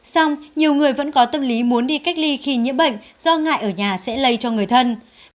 xong nhiều người vẫn có tâm lý muốn đi cách ly khi nhiễm bệnh do ngại ở nhà sẽ lây cho người thân